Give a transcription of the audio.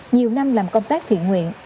nhiều năm làm công tác thiện nguyện